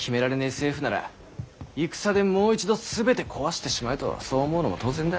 政府なら戦でもう一度全て壊してしまえとそう思うのも当然だ。